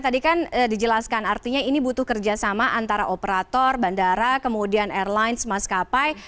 tadi kan dijelaskan artinya ini butuh kerjasama antara operator bandara kemudian airlines maskapai